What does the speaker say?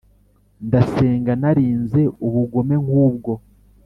ndasenga narinze ubugome nkubwo,